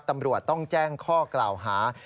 ตำรวจต้องแจ้งข้อกล่าวหา